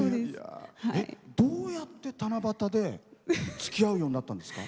どうやって、七夕でつきあうようになったんですか。